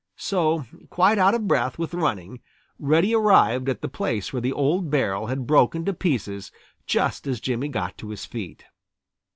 So, quite out of breath with running, Reddy arrived at the place where the old barrel had broken to pieces just as Jimmy got to his feet.